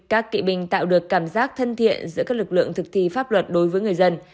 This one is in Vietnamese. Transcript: các kỵ binh tạo được cảm giác thân thiện giữa các lực lượng thực thi pháp luật đối với người dân